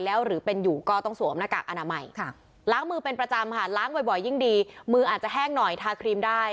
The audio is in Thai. ล้างมือเป็นประจำฯล้างบ่อยบ่อยยิ่งดีมืออาจจะแห้งหน่อยทาครีมได้